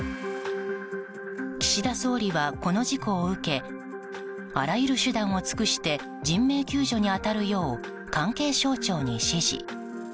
岸田総理は、この事故を受けあらゆる手段を尽くして人命救助に当たるよう関係省庁に指示。